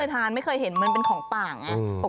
ทานไม่เคยเห็นมันเป็นของป่าไง